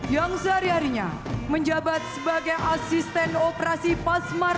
yang sehari harinya menjabat sebagai asisten operasi pasmar